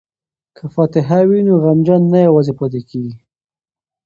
که فاتحه وي نو غمجن نه یوازې کیږي.